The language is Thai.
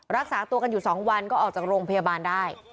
รักษาตัวกันอยู่๒วันก็ออกจากโรงพยาบาลได้